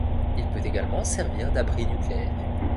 Il peut également servir d'abri nucléaire.